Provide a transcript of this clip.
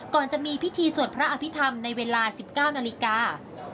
จะมีพิธีสวดพระอภิษฐรรมในเวลา๑๙นาฬิกา